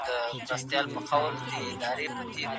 د بل په مال تېری کول په حقيقت کي پر ځان تېری دی.